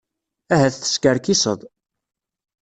Ahat teskerkiseḍ.